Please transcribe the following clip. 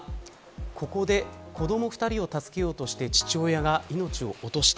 ここで、子ども２人を助けようとして父親が命を落とした。